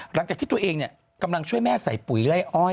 หลังจากที่ตัวเองกำลังช่วยแม่ใส่ปุ๋ยไล่อ้อย